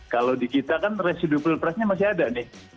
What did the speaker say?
kalau di kita kan residu pilpresnya masih ada nih